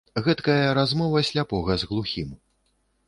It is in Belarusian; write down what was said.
Гэткая размова сляпога з глухім.